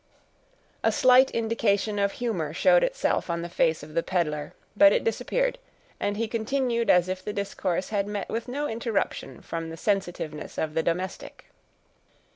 A slight indication of humor showed itself on the face of the peddler, but it disappeared, and he continued as if the discourse had met with no interruption from the sensitiveness of the domestic.